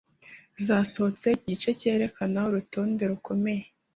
zasohotse iki gice cyerekana urutonde rukomeye